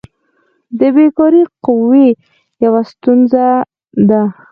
د بیکاري قوي یوه ستونزه ده.